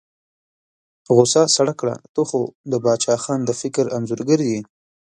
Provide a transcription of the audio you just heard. غوسه سړه کړه، ته خو د باچا خان د فکر انځورګر یې.